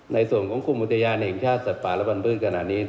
ในส่วนของคุณมุทยาเองชาติสัตว์ป่าและปันพื้นขนาดนี้